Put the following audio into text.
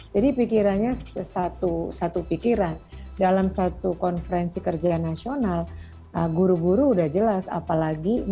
jadi pikirannya satu pikiran dalam satu konferensi kerja nasional guru guru udah jelas apalagi jelas meminta